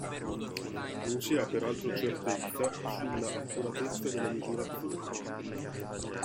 Non si ha peraltro certezza sulla accuratezza delle misurazioni.